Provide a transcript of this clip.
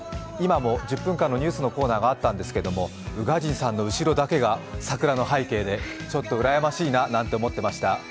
今も１０分間のニュースのコーナーはあったんですけれども、宇賀神さんの後ろだけが桜の背景で、ちょっとうらやましいななんて思ってました。